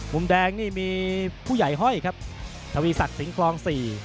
มุมแดงนี่มีผู้ใหญ่ห้อยครับทวีศักดิ์สิงคลองสี่